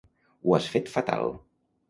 Ho has fet fatal.